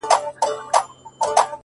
يوه څړيکه هوارې ته ولاړه ده حيرانه!